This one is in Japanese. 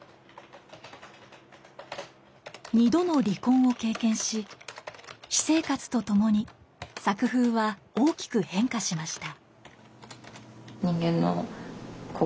２度の離婚を経験し私生活とともに作風は大きく変化しました。